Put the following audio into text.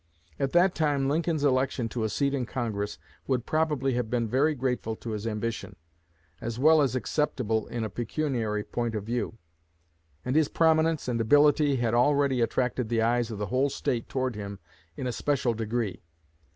At that time Lincoln's election to a seat in Congress would probably have been very grateful to his ambition, as well as acceptable in a pecuniary point of view; and his prominence and ability had already attracted the eyes of the whole State toward him in a special degree.